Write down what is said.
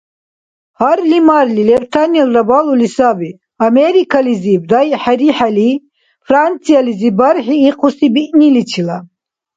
Гьарли-марли, лебтанилра балули саби, Америкализиб дай-хӀерихӀели, Франциялизиб бархӀи ихъуси биъниличила.